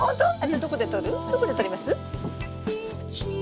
どこで撮ります？